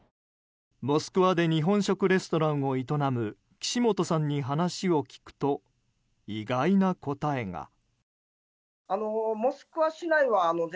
モスクワで日本食レストランを営む岸本さんに話を聞くと意外な答えが。